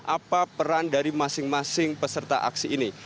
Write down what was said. apa peran dari masing masing peserta aksi ini